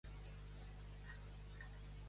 Ave Maria Puríssima!